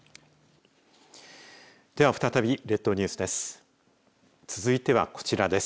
では再び列島ニュースです。